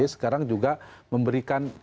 sekarang juga memberikan